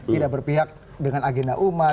tidak berpihak dengan agenda umat